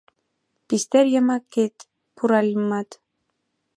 Пистер йымакет пуральымат